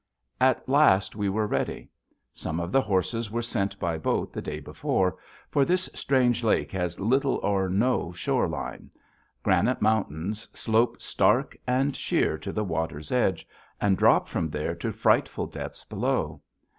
At last we were ready. Some of the horses were sent by boat the day before, for this strange lake has little or no shore line. Granite mountains slope stark and sheer to the water's edge, and drop from there to frightful depths below.